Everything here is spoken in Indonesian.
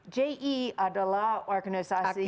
je adalah organisasi